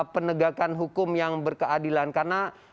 penegakan hukum yang berkeadilan karena